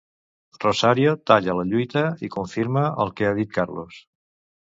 Rosario talla la lluita, i confirma el que ha dit Carlos.